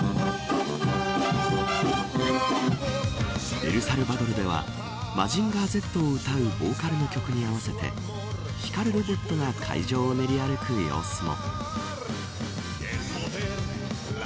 エルサルバドルではマジンガーＺを歌うボーカルの曲に合わせて光るロボットが会場を練り歩く様子も。